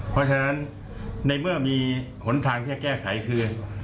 เพราะฉะนั้นในเมื่อมีหนทางที่จะแก้ไขคือ